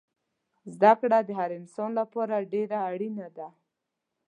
زده کړه دهر انسان لپاره دیره اړینه ده